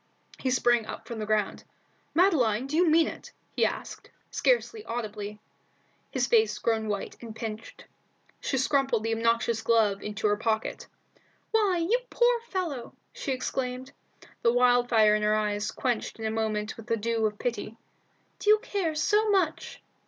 He sprang up from the ground. "Madeline, do you mean it?" he asked, scarcely audibly, his face grown white and pinched. She crumpled the obnoxious glove into her pocket. "Why, you poor fellow!" she exclaimed, the wildfire in her eyes quenched in a moment with the dew of pity. "Do you care so much?"